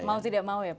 mau tidak mau ya pak